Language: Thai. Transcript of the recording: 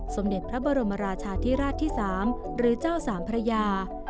สมเด็จพระบรมราชาธิราชที่๓หรือเจ้าสามพระยา